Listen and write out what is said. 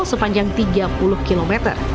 sepanjang tiga puluh km